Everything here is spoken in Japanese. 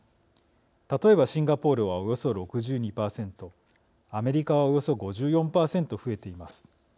例えばシンガポールは、およそ６２％アメリカは、およそ５４％増えています。